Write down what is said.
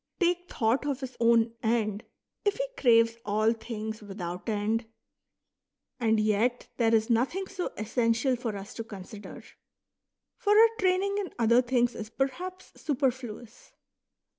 take thought of his own end, if he craves all things without end ? And yet there is nothing so essential for us to consider. For our training in other things is perhaps superfluous.